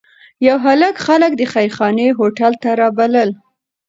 یو هلک خلک د خیرخانې هوټل ته رابلل.